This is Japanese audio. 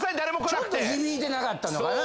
ちょっと響いてなかったのかな。